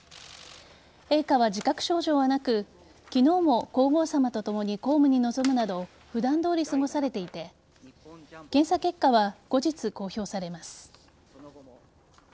陛下は自覚症状はなく昨日も皇后さまとともに公務に臨むなど普段どおり過ごされていて検査結果は後日公表されます。